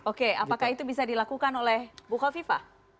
oke apakah itu bisa dilakukan oleh buho viva